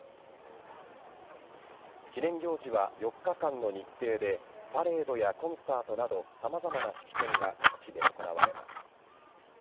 記念行事は４日間の日程でパレードやコンサートなど様々な式典が各地で行われます。